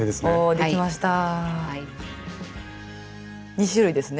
２種類ですね。